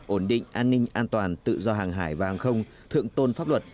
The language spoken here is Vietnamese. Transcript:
ổn định an ninh an toàn tự do hàng hải và hàng không thượng tôn pháp luật